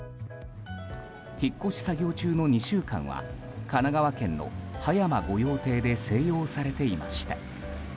引っ越し作業中の２週間は神奈川県の葉山御用邸で静養されていました。